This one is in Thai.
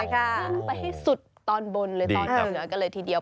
ขึ้นไปให้สุดตอนบนเลยตอนเหนือกันเลยทีเดียว